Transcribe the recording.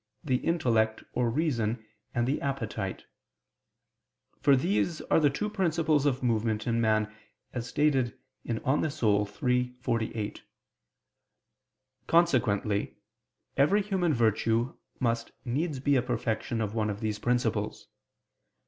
the intellect or reason and the appetite: for these are the two principles of movement in man as stated in De Anima iii, text. 48. Consequently every human virtue must needs be a perfection of one of these principles.